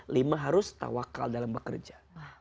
lima harus tawakal dalam bekerja